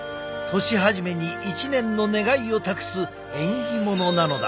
年初めに一年の願いを託す縁起物なのだ。